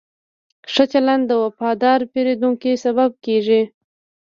ښه چلند د وفادار پیرودونکو سبب کېږي.